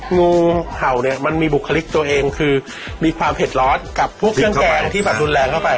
งูเห่าเนี่ยมันมีบุคลิกตัวเองคือมีความเผ็ดร้อนกับพวกเครื่องแกงที่แบบรุนแรงเข้าไป